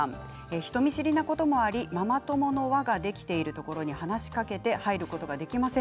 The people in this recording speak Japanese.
人見知りなこともありママ友の輪ができているところに話しかけて入ることができません。